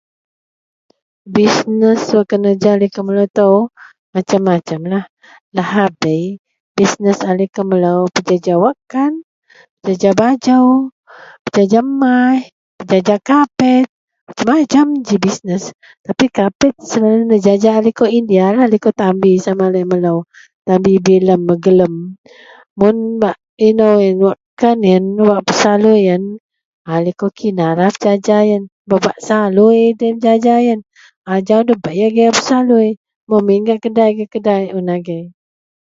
Bisnes wak kenereja likou melou itou macem-macemlah. Lahabei bisnes a likou melou pejaja wakkan, pejaja bajou, pejaja maih, pejaja kapet, macem-macem ji bisnes tapi kapet selalu nejaja a likou Indialah, likou tambi sama laei melou tambi bilem begalem. Mun wak inou yen wakkan yen wak pesalui yen a likou Kinalah pejaja yen pebak salui deloyen pejaja yen. Ajau ndabei agei a pesalui, memin gak kedai, gak kedai un agei.